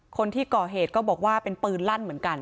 คนที่ก่อเหตุก็บอกว่าเป็นปืนลั่นเหมือนกัน